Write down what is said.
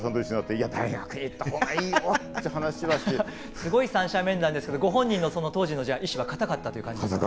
すごい三者面談ですけどご本人の当時の意志はかたかったという感じですか？